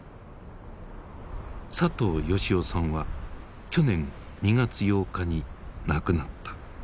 佐藤吉男さんは去年２月８日に亡くなった。